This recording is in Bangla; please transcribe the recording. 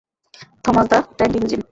Thomas the tank engine.